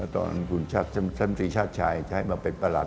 ตอนตำริชาติชายใช้มาเป็นประหลาด